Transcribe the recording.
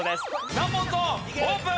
難問ゾーンオープン！